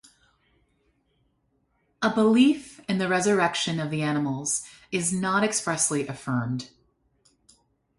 A belief in the resurrection of the animals is not expressly affirmed.